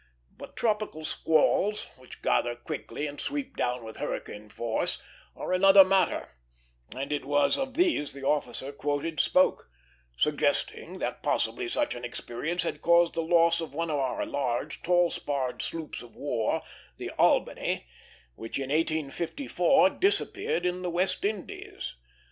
But tropical squalls, which gather quickly and sweep down with hurricane force, are another matter; and it was of these the officer quoted spoke, suggesting that possibly such an experience had caused the loss of one of our large, tall sparred sloops of war, the Albany, which in 1854 disappeared in the West Indies.